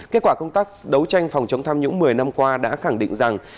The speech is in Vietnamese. kết quả công tác đấu tranh phòng chống tham nhũng một mươi năm qua đã khẳng định rằng